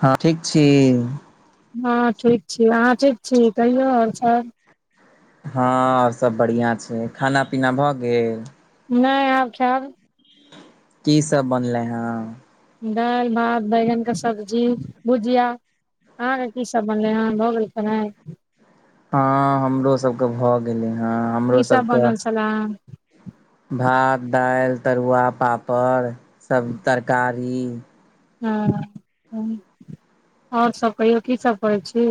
हँ ठीक छी। हँ ठीक छी अहाँ ठीक छी कहियौ आओर सब। हँ आओर सभ बढ़िआँ छै खाना पीना भऽ गेल। नहि आब खैव। की सब बनलै हँ। दालि भात बैगनके सब्जी भुजिया। अह की सब बनलै हन भऽ गेल खेनाइ। हँ हमरो सभके भऽ गेलै हेँ हमरो की सब सभके। बनल छले भात दालि तरुआ पापड़ सब तरकारी। ह आओर सब कहिौ की सब करै छी।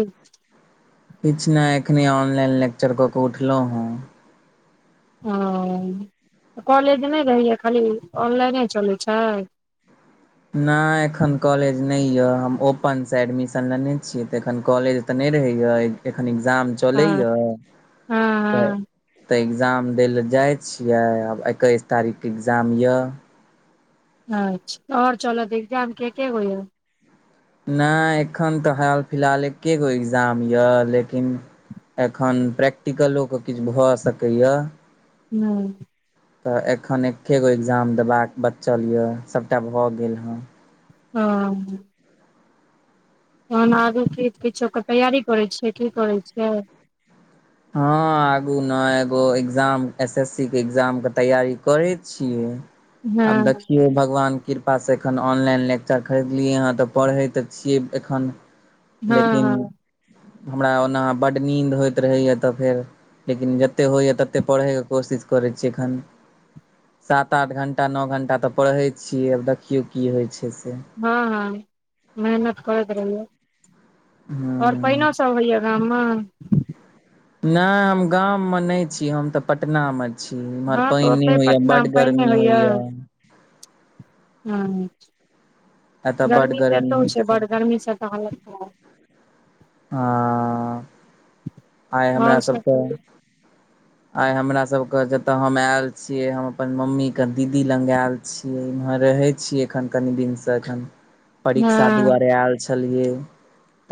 किछु नहि एखनि ऑनलाइन लेक्चर कऽ केऽ उठलहुँ हेँ। ओ कॉलेज नहि रहैए खाली ऑनलाइने चलैत छै। नहि एखन कॉलेज नहि यऽ हम ओपनसँ एडमिशन लेने छीियै तऽ एखन कॉलेज। तऽ नहि रहैया एखन एग्जाम चलै हँ या तऽ। हँ तऽ एग्जाम दै लए जाइ छियै आब एकैस तारीखके एग्जाम यऽ। अच्छा आओर चल दही एग्जाम में के के होय य। [unintelligible] नहि एखन तऽ हाल फिलहाल एक्के गो एग्जाम यऽ लेकिन। एखन प्रैक्टिकलोके किछ भऽ सकैय। हूँ। तऽ एखन एके गो एग्जाम देबाक बचल यए सभटा भऽ गेल हन। ओ। तहन आगू कि किछो के तैयारी करै छियै की करै छियै। हँ आगू न एगो एग्जाम एस एस सी के एग्जामके तैयारी करै छियै। हँ अब देखियौ भगवान। कृपासँ एखन ऑनलाइन लेक्चर खरीदलियै हँ तऽ पढ़ै तऽ छियै एखन। हँ लेकिन हँ हमरा ओना बड नींद होइत रहैया। तऽ फेर लेकिन जते होइए तते पढ़ैके कोशिश करै छी एखन। सात आठ घण्टा नओ घण्टा तऽ पढ़ै छियै आब देखियौ की होइ छै से। हँ हँ मेहनत करैत रहूँ। हँ। आओर पइनोसब होइया गाममे। नहि हम गाममे नहि छी हम तऽ पटनामे। छी इम्हर हँ तऽ पइन नहि ओते होइया बड्ड गर्मी होइया हँ हँ एतऽ बड गर्मी तऽ एतौ होइ छै बड गर्मीसँ तऽ हालत खराब हँ [inaudible] आय हमरा और सब सबके कहियौ आय हमरा सब के जतऽ हम आयल छीयै हम अपन मम्मी के दीदी लग आयल छीयै इम्हर रहै छीयै एखन कनि दिनसँ एखन परीक्षा हँ दुआरे आयल छलियै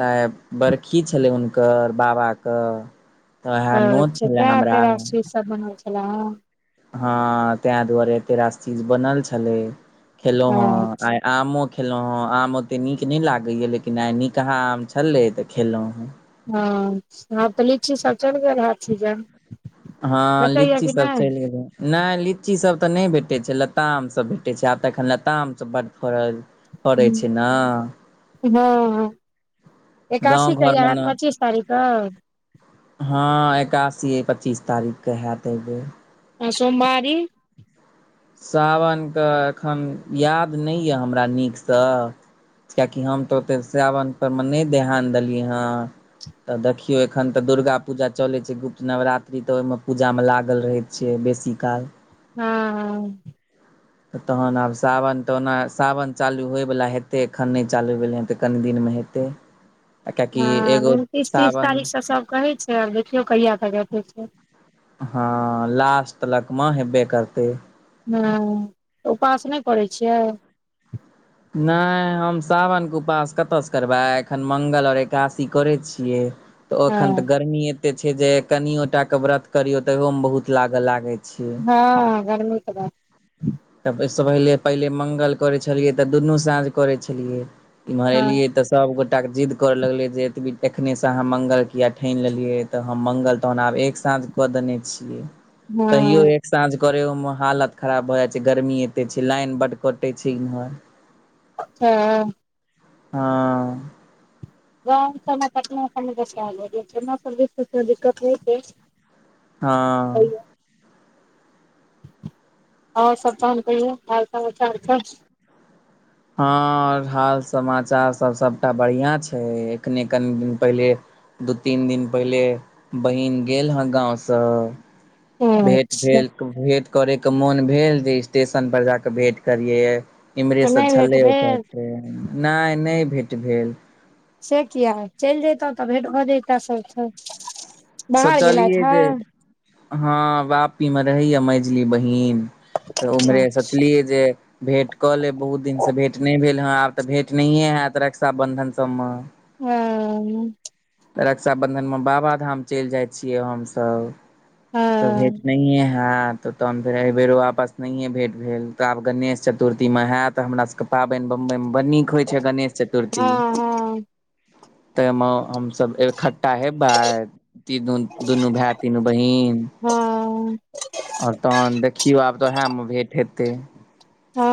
तऽ आइ बड़खी छलै हुनकर बाबा तऽ ओएह नोत छलैए हमरा कि सब बनल छेला ह [unintelligible] हँ तां दुआरे एतेरास चीज बनल छलै खेलौ ह हँ आइ आमो खेलहुँ हँ आम ओते नीक नहि लागैया लेकिन आइ निकहा आम छलै तऽ खेलहुँ हँ आब तऽ लीची सब चलि गेल हैत सीजन हँ भेटैया लीची कि सब नहि चलि गेलै नहि लीचीसब तऽ नहि भेटै छै लतामसब भेटै छै आब तऽ एखन लतामसब बड्ड फड़ल फरै छै न हँ एकादशी गाँव घरमे कहिया हैत ने पच्चीस तारीखक हँ एकादशी अइ पचीस तारीखके हैत अहिबेर आ सोमवारी सावनकऽ एखन याद नहि यए हमरा नीकसँ कियाकि हम तऽ ओते सावनपरमे नहि ध्यान देलियै हन तऽ देखियौ एखन तऽ दुर्गा पूजा चलै छै गुप्त नवरात्रि तऽ ओहिमे पूजामे लागल रहै छियै बेसी काल हँ हँ त तहन आब सावन तऽ ओना सावन चालू होयवला हेतै एखन नहि चालू भेलै हन तऽ कनि दिनमे हेतै [inaudible] हँ एगो उन्तीस तीस सावन तारीखसँ सब कहै छै आब देखियौ कहिया तक हेतै से हँ लास्ट तलकमऽ हेबे करतै हँ तऽ उपास नहि करै छियै नहि हम सावनके उपास कतयसँ करबै एखन मंगल आओर एकादशी करै छियै तऽ ओ हँ एखन तऽ गर्मी एते छै जे कनियो टा के व्रत करियो तहियो मे बहुत लागऽ लागै छै हँ गर्मीे बाप तब ओहि से पहिले पहिले मंगल करे छलियै त दुनू साँझ करै छलियै इम्हर हँ एलियै त सब गोटा के जिद्द कर लगलै जे एतबी एखने से अहाँ मंगल किया ठनि लेलियै त हम मंगल तहन आब एक साँझ कऽ देने छियै त्यो हँ एक साँझ करै ओ मे हालत खराब भऽ जाय गर्मी एते छै लाइन बड कटै छै इम्हर हँ हँ गाँव सबमे [unintelligible] नाना सिवर दिक्कत होइ छै हँ आओर सब तहन कहियो हाल समाचार सब हँ आओर हाल समाचार सब सभटा बढ़िआँ छै एखने कनि दिन पहिले दू तीन दिन पहिले बहिन गेल हा गाँवसँ भेट भेल भेंट करय के मोन भेल जे स्टेशनपर जा क भेंट करिये। इम्हरे तऽ से नहि भेट छले ओकर भेल ट्रेन ने ने भेट भेल। से किया चल जतहु त भेट भ जता सबसे बाहर गेलथि हूँ। हा बापी मे रहेय मजली बहिन त उम्हरे सोच लिये जे। भेंट क लेब बहुत दिन से भेंट ने भेल हा अब त भेट नहिए होयत रक्षाबन्धन सबमें। हा। त रक्षा बंधन में बाबा धाम चेल जाय छिये हमसब त भेट हँ ने ह। होय त तहन फेर एहिबेर वापस नहिए भेट भेल त आब गणेश चतुर्थीमे होय त हमरा सब के। पाबेन बडि बईमे बड़ नीक होइ छे गणेश चतुर्थी। हँ त मे हमसठ्ठा हेबे तीनू दुनू भाय तीनू बहिन। हा। ओर तहन देखियौ आब तऽ उएहमे भेंट हेतै। हा।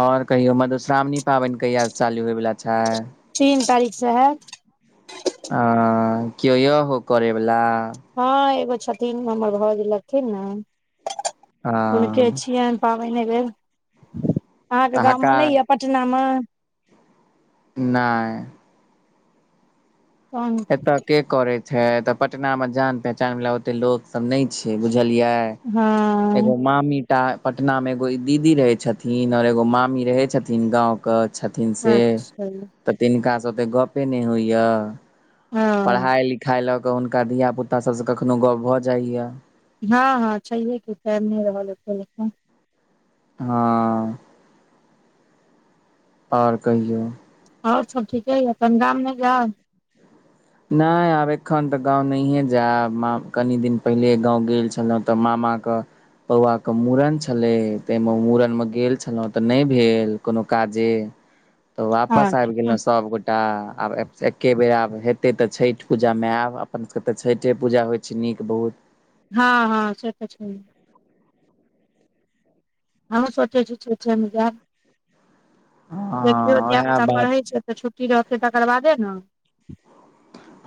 ओर कहियो मधुश्रावणी पाबेन कहियास चालू होयवला छे। तीन तारीख से हायत। हा कियो य हो करै वाला। हा एगो छथिन हमर भाव जे लथिन ने अ हुनके छियनि। पाबेन ऐबेर अहा के तऽ गांम मे हकार पटना में। नेय। तहन एतय के करे छे एत पटना में जान पहचान वाला ओते लोक सब ने छे बुझलिये। एगो हँ मामी। पटना मे एगो दीदी रहय छथिन और एगो मामी रहय छथिन गाँंव के। के छथिन से अच्छा त तिनका से ओते गपे ने होइया। हँ पढ़ाइ लिखाइ ल क हुनका धियापुतासभ से कखनो गप्प भ जाइए। हा हा छे क ने रहल। हा। ओर कहियो। ओर सब ठीके यऽ तनि गाम मे जाउ। ने अब एखन त गाम नहिए जायब मा कनि दिन पहिले गाँ गेल छल हुँ त मामाके। पौआ के मुूड़न छलय ताहिमे मुूड़न मे गेल छलहुं त नहि भेल कोनो काजे। त वापस आबि अच्छा गेलहु सभगोटा आब एके बेर आब हे। एतेक त छठि पूजामे आयब अपन सभके त छठिे पूजा होइ छे नीक बहुत। हा हा से त छे। हमूँ सोचे छी जायब देखियौ हँ उएह धियाापुता बात पढ़े छै। त छुट्टी रहते तकर बादे ने।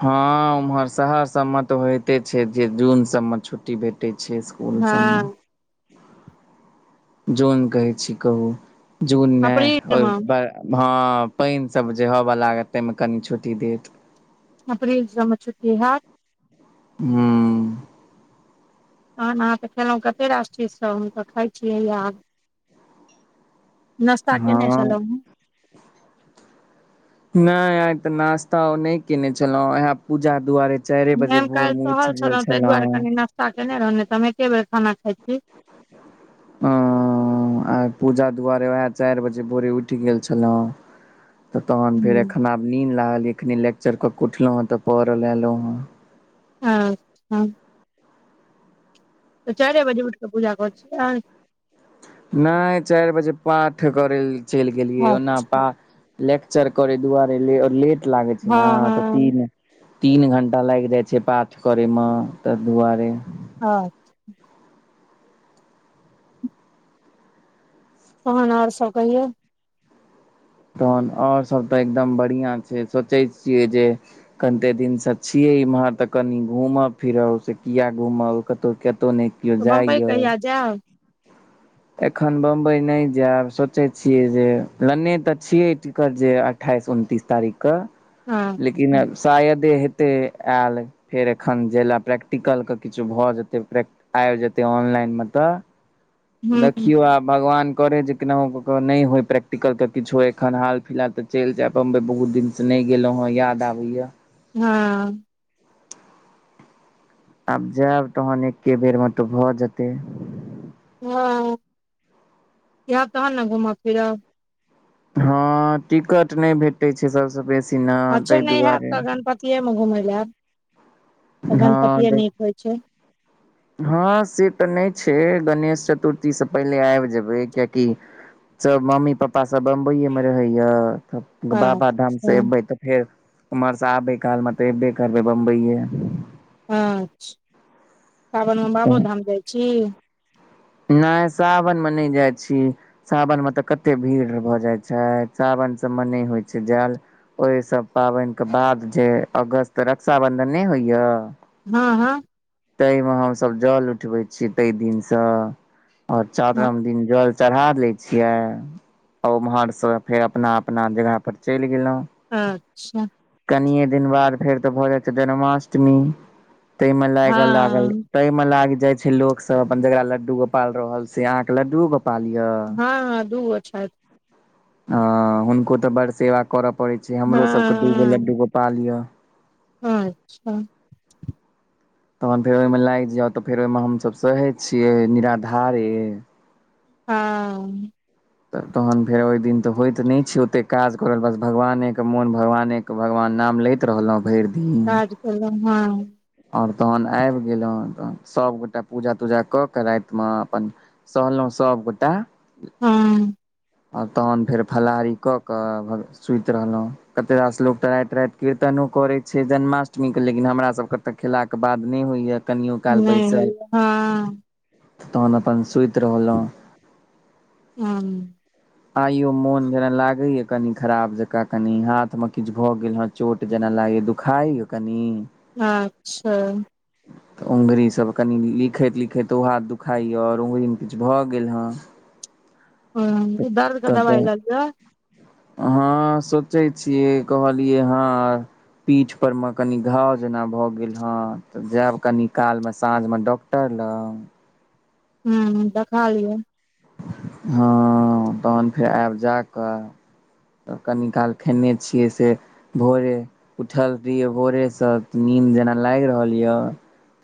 हा उम्हर शहर सब मे त होते छे जे जून सब मे छुट्टी भेट। पटिचे स्कूलसमे। हँ जन कहे छी कहू जन ने। अप्रील मे हँ, पानिसभ जे हव लागत, ताहिमे कनि छुट्टी देत,। अप्रैल सब मे छुट्टी हात। हू,। तहन, अहाँ तऽ खेलहुँ कतेक राष चीज सब, हमत खाइत छियै आब। नश्ता, केने हँ छललहु ह, नहि, आ ते नाास्ता ओ नहि केने छलहु, इह पूजा दुआरे। चाइरे हेँ बजे भोर में, उठ गेल छलहुँ। ता केने रहो नइ तऽ, हम एके बेर खाना खाइ छी। ह, आ पूजा दुआरे, उएह चारि बजे भोरे, उठि गेल छलहु,। तऽ तोहन फेर एखन आब, नीन्द लागल, एखन लेक्चर कऽ क उठलहुँ हेँ, तऽ, परो ले एयलहुँ हेँ। हँ, ह,। त, चार बाजे में उठ के, पूजा कर छी,। नहि, चारि बजे पाठ करय लए, चलि गेलियै ओना पा। अच्छा लेक्चर करे दुआरेे लेट लागे छै न, हँ तऽ हँ तीन, तीन घण्टा, लागि जाइ छै, पाठ करयमे तऽ दुआरे, हँ,। तहन, और सब कहियौ,। तहन आओरसभ तऽ एकदम बढ़िआँ छै, सोचैत छियै जे,। कनते दिनसँ छियै इम्हर तऽ, कनि घूमब फिरब से, किए घूमब कतहु, कतहु नहि। केओ तऽ, बम्बइ, जाइया कहिया जायब। एखन बम्बई नहि जायब, सोचै छियै जे, लने तऽ छियै टिकट, जे। अठ्ठाइस, उनतिस, तारीखके। हँ। लेकिन, शायदे हेते आयल। फेर एखन जा लए, प्रैक्टिकलके किछु भऽ जेतै, प्रैक् आबि जेतै ऑनलाइनमे तऽ, हूँ देखियौ, आब भगवान करै जे, केनाहु क नहि होय प्रैक्टिकल, तऽ किछो एखन हाल, फिलहाल तऽ, चलि जायब बम्बइ, बहुत दिनसँ नहि गेलहुँ हँ, याद आबैए, ह, आब जायब तहन, एके बेर मे तऽ भऽ जेतै,। हँ, इहब तहन ने घूमब फिरब। हँ, टिकट नहि भेटैत छै सभसँ बेसी न, ताहि दुआरे। अब घुमेए ला, ओतके हँ गणपतिए देख निक होएत छै। हँ, से तऽ नहि छै, गणेश चतुर्थीसँ पहिले, आबि जेबै किएकि। सब, मम्मी पपापा सब, बम्बइए मे रहैया। हँ बाबाधाम से अच्छा एबै तऽ फेर, उम्हर से आबे काल मे तऽ, एबे करबै बम्बइए में। अच्छा, सावनमे, बाबो धाम जाइ छी। नहि, सावनमे नहि जाइ छी। सावनमे तऽ, कतेक भीड़ भऽ जाइत छै, सावन सभमे, नहि होइत छै जाल। ओहि सब पाबने क बाद जे, अगस्त रक्षााबंधन नहि होइया। हँ, हँ,। ताहि मे हमसब, जल उठबे छी, ते दिन से, और चारम दिन जल। चढ़ा लै छियै, आ, उम्हरसँ फेर अपना -अपना जगह पर चलि गेलहुँं,। अच्छा,। कने दिन बाद, फेर तऽ भऽ जाय छै जन्माष्टमी, ता मे लाग लागल। हँ तई मे लागे जाय छै लाेक सब, अपन जकरा लड्डू गोपालाल रहल छै, से आां के लड्डू गोप। पालिया। हँ, हँ, दू अछा। अ हुनको तऽ, बड़ सेवा करय पड़े छै, हँ हमरो सबके दू गो, लड्डू गोपाल य,। अच्छा,। तहन फेर, ओहिमे लागि जाउ, तऽ फेर ओहिमे, हमसभ सहे छियै निराधारे। हाँ। तऽ तहन फेर ओहि दिन तऽ होइत नहि छैय ओतेक काज करल बस भगवानेके मोन भगवानेके। त भगवान नाम लैत रहलहुँ भरि दिन काज केलौं हाँ। और तखन आबि गेलहुँ त सभगोटा पूजा तूजा कऽ कऽ रातिमे अपन सहलहुं सभगोटा हुँ। आ तखन फेर फलाहारी कऽ कऽ भल सुति रहलहुँ कते रास लोक सब त राति राति कीर्तनो करै छैय जन्माष्टमी के लेकिन हमरा सबके तऽ खेला के बाद नहि होइये कनियो काल नहि बैसल। होइया हँ तखन अपन सुति रहलहुँ। हुँ। आइयो मोन जना लागे या कनि खराब जकाँ कनि हाथ मे किछु भए गेल हें। चोट जना लागय दुखाइ कनि अच्छा। [inaudible] तऽ उँगली सभ कनि लिखैत लिखैत ओ हाथ दुखाइए और उँगलीमे किछु भऽ गेल हेँ। हुं त दर्द के दबाइ ल लिअ। हाँ सोचै छियै कहलियै हाँ पीठ पर मे कनि घाव जना भऽ गेल हाँ तऽ जायब कनि कालमे साँझमे डॉ क्टर लग। हूँ देखा लिअ। हाँ तखन फेर आब जा कऽ तऽ कनी काल खेने छियै से भोरे उठल रहियै भोरेसँ नींद जना लागि रहल ये।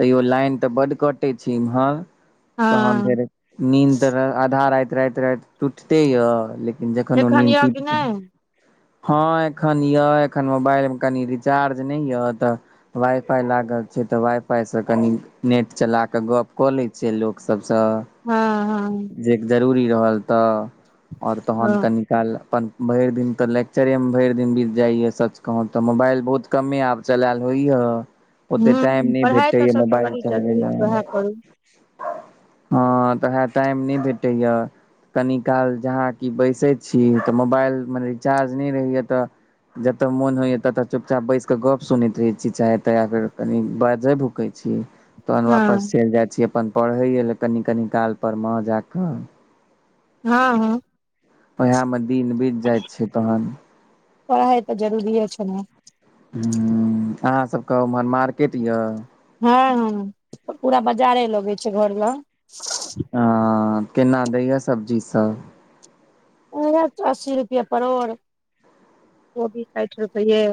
तैयो लाइन तऽ बड कटै छै इमहर तखन फेर हँ निन्द तऽ आधा राति राति टूटते ये लेकिन जखन ओ एखन निन्द यए कि टुट जेत नहि हाँ एखन य एखन मोबाइल मे कनि रिचार्ज नै ये तऽ वाइ फाइ लागल छै तऽ वाइ फाइसँ कनि नेट चला कऽ गप्प कऽ लै छियै लोकसभसँ। हाँ हाँ। जे जरूरी रहल तऽ और तखन हँ कनि काल्हि अपन भरि दिन तऽ लेक्चरेमे भरि दिन बीत जाइए, सच कहू तऽ मोबाइल बहुत कमे आब चलेल होइये। ओते टाइम ह नहि पढ़ाइ तऽ भेटैए सभसँ मोबाइल बड़ी चलबै जरूरी ले। छै उएह करू हाँ तऽ वै टाइम नै भेटैये। कनि काल जहाँ कि बैसै छी तऽ मोबाइल मे रिचार्ज नै रहैए तऽ जतऽ मोन होइये ततऽ चुपचाप बैस क गप सुनैत रहै छी चाहे त फेर कनि बाज भुक सकै छी। तखन वापस हँ चलि जाइ छी अपन पढ़ैए ले कनि कनि काल पर मे जाकऽ। हृं हाँ। ओएहे मे दिन बीत जाइत छै तखन। पढ़ाइ तऽ जरूरीे छै ने। हुँ अहाँ सबके उमहर मार्केट ये। हाँ हाँ पूरा बाजारे लगै छैय घर लग। हाँ केना दइए सब्जी सब। अस्सी रुपए परोर कोबी साठि रुपैए।